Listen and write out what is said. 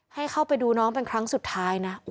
ให้เข้าไปดูน้องเป็นครั้งสุดท้ายนะ